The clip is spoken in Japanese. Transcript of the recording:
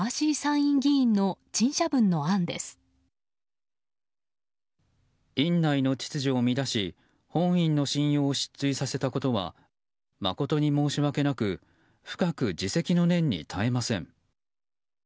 院内の秩序を乱し本院の信用を失墜させたことは誠に申し訳なく深く自責の念に堪えません。